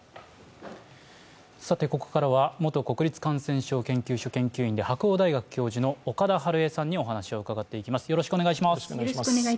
ここからは元国立感染症研究所研究員で白鴎大学教授、岡田晴恵さんにお話を伺っていきます。